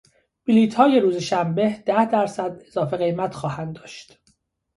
بلیطهای روز شنبه ده درصد اضافه قیمت خواهند داشت.